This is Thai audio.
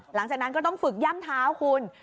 หลังจากนั้นก็ต้องฝึกย่ำเท้าคุณ